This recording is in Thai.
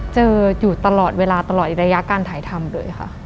เจออยู่ตลอดเวลาตลอดระยะการถ่ายทำเลยค่ะ